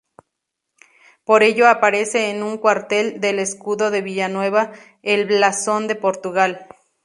Por ello aparece en un cuartel del escudo de Villanueva el blasón de Portugal.